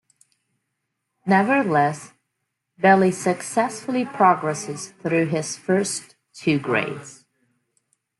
Nevertheless, Billy successfully progresses through his first two grades.